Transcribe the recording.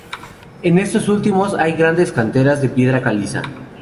En estos últimos hay grandes canteras de piedra caliza.